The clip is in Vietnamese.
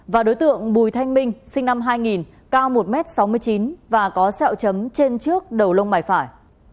và đối tượng bùi thanh minh sinh năm hai nghìn cao một m sáu mươi chín và có sẹo chấm trên trước đầu lông mày phải